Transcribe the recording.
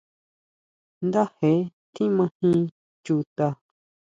Ndaje tjimajin Chuta.